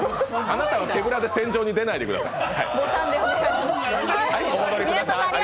あなたは手ぶらで戦場に出ないでください。